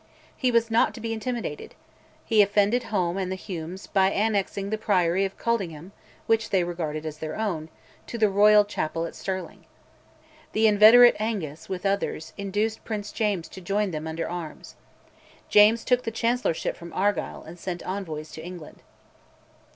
He was not to be intimidated; he offended Home and the Humes by annexing the Priory of Coldingham (which they regarded as their own) to the Royal Chapel at Stirling. The inveterate Angus, with others, induced Prince James to join them under arms. James took the Chancellorship from Argyll and sent envoys to England.